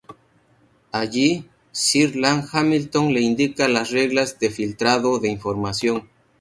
Allí sir Ian Hamilton le indica las reglas de filtrado de información.